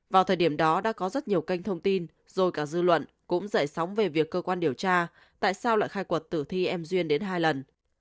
vào thời điểm đó đã có rất nhiều kênh thông tin rồi cả dư luận cũng dậy sóng về việc cơ quan điều tra tại sao lại khai quật tử thi em duyên đến hai lần